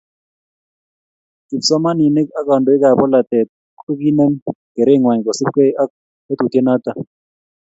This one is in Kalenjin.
kipsomaninik ak kandoik ab bolotet kinem kerengwai kosupkei ak tetutiet noto